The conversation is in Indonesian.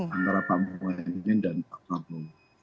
antara pak mohaimin dan pak prabowo